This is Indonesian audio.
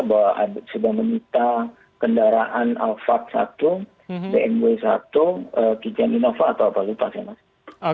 bahwa sudah menyita kendaraan alphard satu bnw satu kijang innova atau apa lupa saya mas